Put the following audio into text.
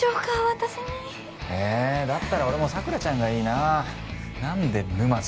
私にえーだったら俺も佐倉ちゃんがいいな何で沼津？